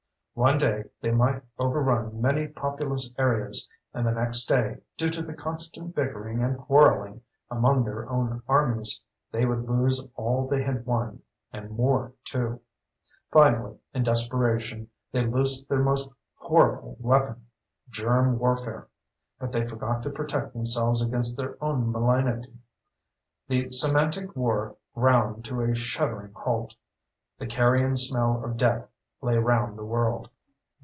One day they might overrun many populous areas and the next day, due to the constant bickering and quarreling among their own armies, they would lose all they had won, and more, too. Finally, in desperation, they loosed their most horrible weapon, germ warfare. But they forgot to protect themselves against their own malignity. The Semantic War ground to a shuddering halt. The carrion smell of death lay round the world.